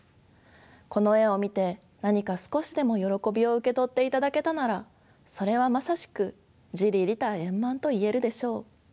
この絵を見て何か少しでも「よろこび」を受け取っていただけたならそれはまさしく「自利利他円満」といえるでしょう。